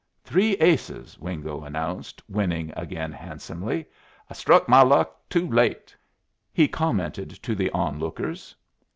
"Three aces," Wingo announced, winning again handsomely. "I struck my luck too late," he commented to the on lookers.